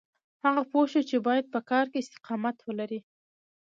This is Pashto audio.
هغه پوه شو چې بايد په کار کې استقامت ولري.